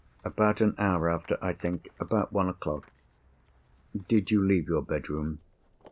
"About an hour after, I think. About one o'clock." "Did you leave your bedroom?"